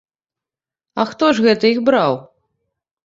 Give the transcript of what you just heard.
А хто ж гэта іх браў?